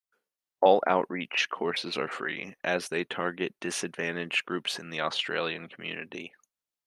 All Outreach courses are free, as they target disadvantaged groups in the Australian community.